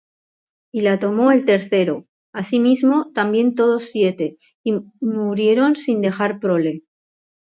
Y la tomó el tercero: asimismo también todos siete: y muerieron sin dejar prole.